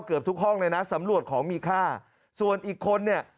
เกือบทุกห้องเลยนะสำรวจของมีค่าส่วนอีกคนเนี่ย